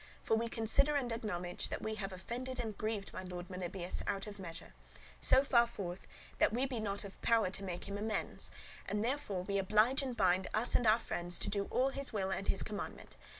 For we consider and acknowledge that we have offended and grieved my lord Melibœus out of measure, so far forth that we be not of power to make him amends; and therefore we oblige and bind us and our friends to do all his will and his commandment.